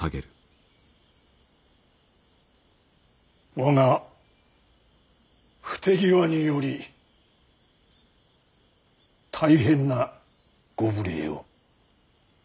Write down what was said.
我が不手際により大変なご無礼を。